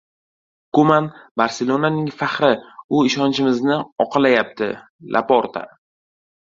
Kuman – "Barselona"ning faxri. U ishonchimizni oqlayapti — Laporta